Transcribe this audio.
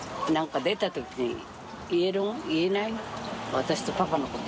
私とパパのこと。